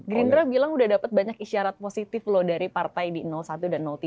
gerindra bilang udah dapat banyak isyarat positif loh dari partai di satu dan tiga